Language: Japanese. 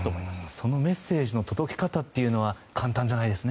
そのメッセージの届き方というのは簡単じゃないですね。